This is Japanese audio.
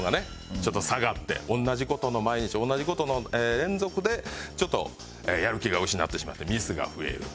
ちょっと下がって同じ事の毎日同じ事の連続でやる気が失ってしまってミスが増える。